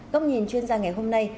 công nhìn chuyên gia ngày hôm nay